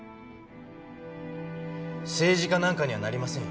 政治家なんかにはなりません。